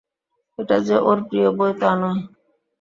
এটা যে ওর প্রিয় বই তা নয়।